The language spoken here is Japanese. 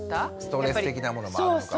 ストレス的なものもあるのかもしれない。